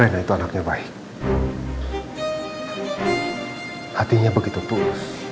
tidak akan bisa apa apa